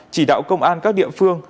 chỉ đạo công an các địa phương